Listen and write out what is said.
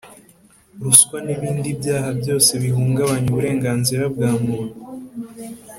ruswa n’ibindi byaha byose bihungabanya uburenganzira bwa muntu